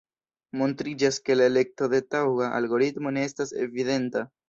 Montriĝas, ke la elekto de taŭga algoritmo ne estas evidenta.